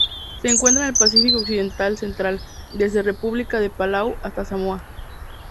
Se encuentra en el Pacífico occidental central: desde República de Palau hasta Samoa.